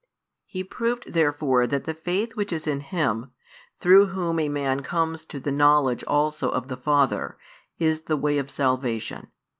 He proved therefore that the faith which is in Him, |159 through Whom a man comes to the knowledge also of the Father, is the way of salvation.